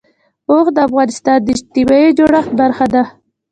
اوښ د افغانستان د اجتماعي جوړښت برخه ده.